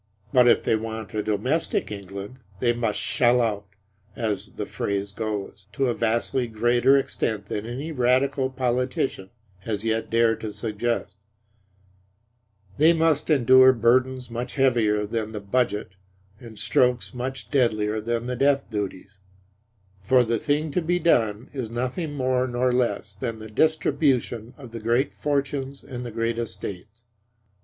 But if they want a domestic England, they must "shell out," as the phrase goes, to a vastly greater extent than any Radical politician has yet dared to suggest; they must endure burdens much heavier than the Budget and strokes much deadlier than the death duties; for the thing to be done is nothing more nor less than the distribution of the great fortunes and the great estates.